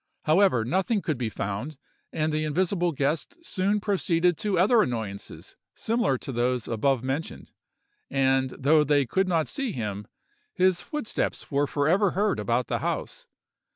However, nothing could be found, and the invisible guest soon proceeded to other annoyances similar to those abovementioned; and though they could not see him, his footsteps were for ever heard about the house.